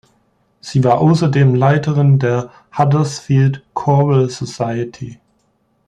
Sie war außerdem Leiterin der Huddersfield Choral Society.